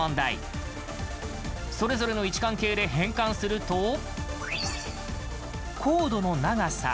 それぞれの位置関係で変換すると「コードノ長サ」